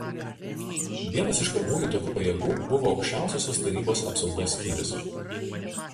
Vienas iš pirmųjų tokių pajėgų buvo Aukščiausiosios Tarybos Apsaugos skyrius.